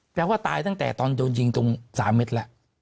ว่าตายตั้งแต่ตอนโดนยิงตรง๓เม็ดแล้ว